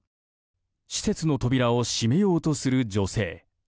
施設の扉を閉めようとする女性。